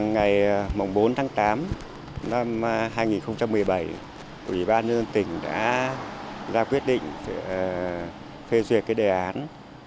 ngày bốn tháng tám năm hai nghìn một mươi bảy ủy ban nhân tỉnh đã ra quyết định phê duyệt đề án